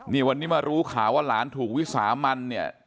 นี่วันนี้มารู้ข่าวว่าหลานถูกวิสามันเนี่ย